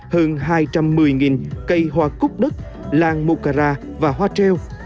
hơn hai trăm một mươi cây hoa cúc đất làng mô cà ra và hoa treo